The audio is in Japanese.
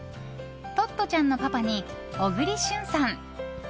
トットちゃんのパパに小栗旬さん。